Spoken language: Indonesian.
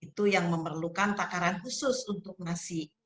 itu yang memerlukan takaran khusus untuk nasi